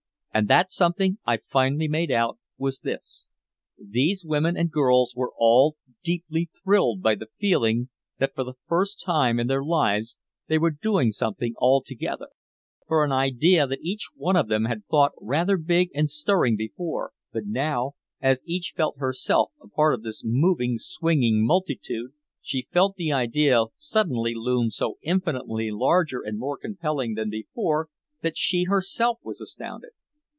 And that something, I finally made out, was this. These women and girls were all deeply thrilled by the feeling that for the first time in their lives they were doing something all together for an idea that each one of them had thought rather big and stirring before, but now, as each felt herself a part of this moving, swinging multitude, she felt the idea suddenly loom so infinitely larger and more compelling than before that she herself was astounded.